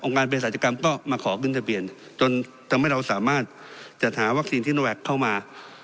องค์การพยาศาสตร์กรรมก็มาขอพยาศาสตร์ชะเบียนจนทำให้เราสามารถจัดหาวัคซีนทิโนแวกเข้ามา